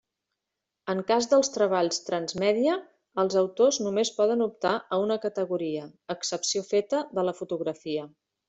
En cas dels treballs transmèdia, els autors només poden optar a una categoria, excepció feta de la fotografia.